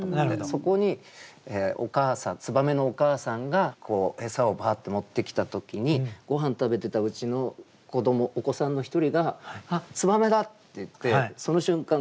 そこに燕のお母さんがこう餌をバーッて持ってきた時にごはん食べてたうちのお子さんの一人が「あっ燕だ！」って言ってその瞬間